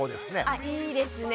あいいですね。